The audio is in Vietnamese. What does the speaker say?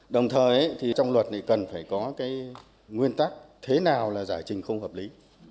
đồng thời thì trong luật này cần phải có cái nguyên tắc thế nào là giải trình không hợp lý